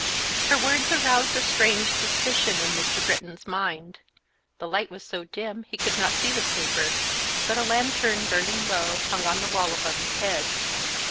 Her words aroused a strange suspicion in Mr. Britton's mind. The light was so dim he could not see the sleeper, but a lantern, burning low, hung on the wall above his head.